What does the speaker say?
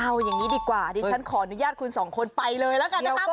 เอาอย่างนี้ดีกว่าดิฉันขออนุญาตคุณสองคนไปเลยแล้วกันนะครับ